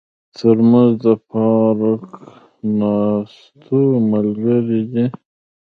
ترموز د پارک ناستو ملګری دی.